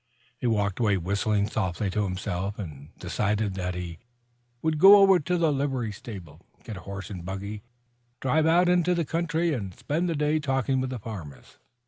He walked away whistling softly to himself and decided that he would go over to the livery stable, get a horse and buggy, drive out into the country, and spend the day talking with the farmers.